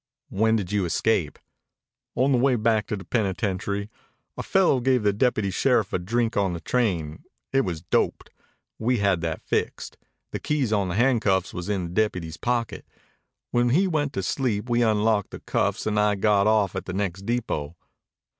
"When did you escape?" "On the way back to the penitentiary. A fellow give the deputy sheriff a drink on the train. It was doped. We had that fixed. The keys to the handcuffs was in the deputy's pocket. When he went to sleep we unlocked the cuffs and I got off at the next depot.